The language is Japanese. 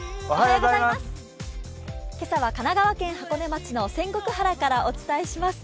今朝は神奈川県箱根町の仙石原からお伝えします。